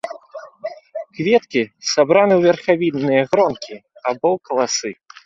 Кветкі сабраны ў верхавінныя гронкі або ў каласы.